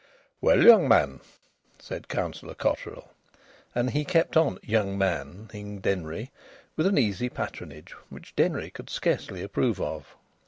"Well, young man!" said Councillor Cotterill. And he kept on young manning Denry with an easy patronage which Denry could scarcely approve of.